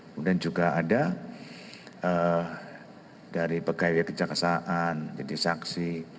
kemudian juga ada dari pegawai kejaksaan jadi saksi